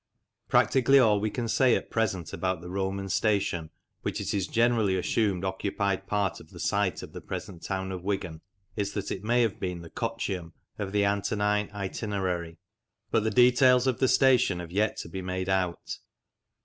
Practically all we can say at present about the Roman station, which it is generally assumed occupied part of the site of the present town of Wigan, is that it may have been the Coccium of the Antonine Itinerary, but the details of the station have yet to be made out.